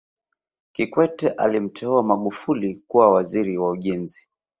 kikwete alimteua magufuli kuwa waziri wa ujenzi